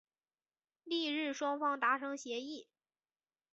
翌日双方达成协议。